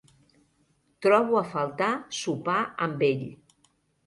Trobo a faltar sopar amb ell.